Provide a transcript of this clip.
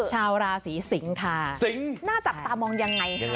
ชาวราศีสิงค่ะน่าจับตามองยังไงคะ